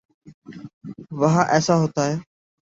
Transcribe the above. وہاں ایسا ہوتا ہے۔